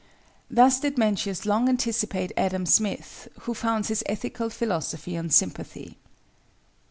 Thus did Mencius long anticipate Adam Smith who founds his ethical philosophy on Sympathy.